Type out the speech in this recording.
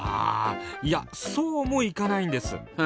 いやそうもいかないんです。